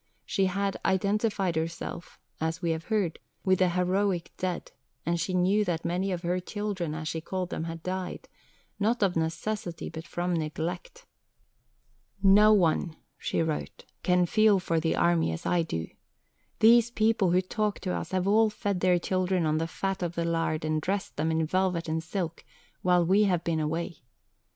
She had "identified herself," as we have heard, "with the heroic dead," and she knew that many of her "children," as she called them, had died, not of necessity, but from neglect. "No one," she wrote, "can feel for the Army as I do. These people who talk to us have all fed their children on the fat of the land and dressed them in velvet and silk, while we have been away.